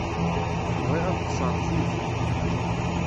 Bɣiɣ ad ḍḍseɣ zik.